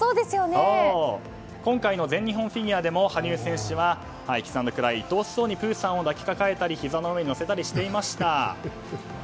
今回の全日本フィギュアでも羽生選手はキスアンドクライでいとおしそうにプーさんを抱きかかえたりひざの上に乗せたりしていました。